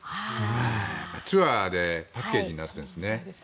ツアーでパッケージになってるんですね。